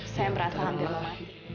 saya merasa hampir mati